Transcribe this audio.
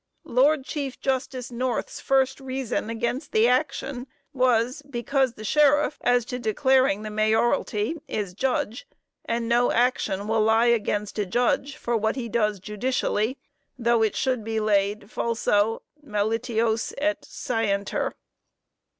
Lord Chief justice North's first reason against the action was, because the sheriff as to declaring the Mayoralty is judge and no action will lie against a judge for what he does judicially, though it should be laid falso malitiose et scienter.